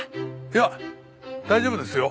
いや大丈夫ですよ